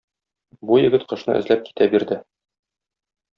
Бу егет кошны эзләп китә бирде.